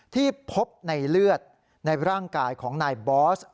ที่พบในเลือดในร่างกายของนายบอส